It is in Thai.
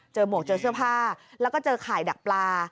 หมวกเจอเสื้อผ้าแล้วก็เจอข่ายดักปลา